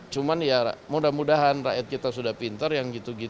cuman ya mudah mudahan rakyat kita sudah pintar yang gitu gitu